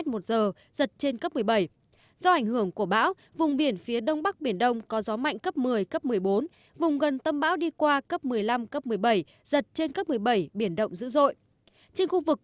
một gió mạnh nhất ở vùng gần tâm bão mạnh cấp một mươi bốn một trăm năm mươi đến một trăm sáu mươi năm km